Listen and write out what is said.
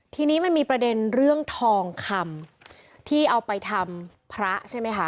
ทีนี้มันมีประเด็นเรื่องทองคำที่เอาไปทำพระใช่ไหมคะ